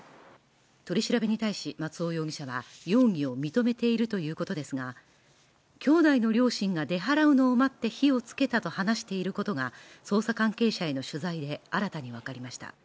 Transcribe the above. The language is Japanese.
取り調べに対し松尾容疑者は容疑を認めているということですが、兄弟の両親が出払うのを待って火をつけたと話していることが捜査関係者への取材で新たに分かりました。